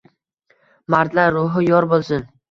Mardlar ruhi yor bo’lsin.